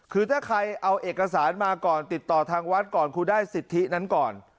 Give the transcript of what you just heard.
คือถ้าใครเอาเอกสารมาก่อนติดต่อทางวัดก่อนครูได้สิทธินั้นก่อน